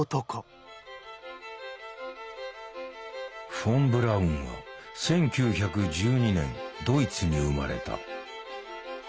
フォン・ブラウンは１９１２年ドイツに生まれた。